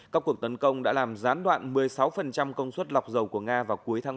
các cuộc tấn công đã làm gián đoạn một mươi sáu công suất lọc dầu của nga vào cuối tháng ba